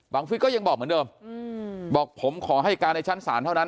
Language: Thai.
ฟิศก็ยังบอกเหมือนเดิมบอกผมขอให้การในชั้นศาลเท่านั้น